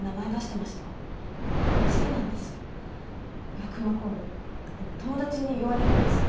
よく真子にあの友達に言われるんです。